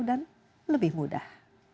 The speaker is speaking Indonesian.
dan lebih mudah